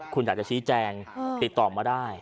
คุณอยากจะชี้แจงติดต่อมาได้